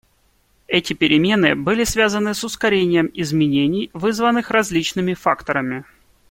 Эти перемены были связаны с ускорением изменений, вызванных различными факторами.